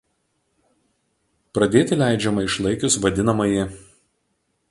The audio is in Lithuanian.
Pradėti leidžiama išlaikius vad.